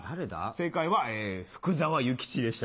正解は福沢諭吉でした。